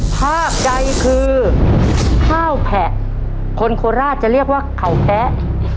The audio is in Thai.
ภาพใดคือข้าวแผะคนโคราชจะเรียกว่าเขาแพะ